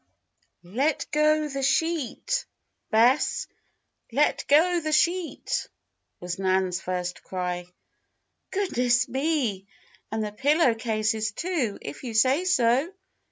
"Let go the sheet, Bess! Let go the sheet!" was Nan's first cry. "Goodness me! And the pillow cases, too, if you say so!"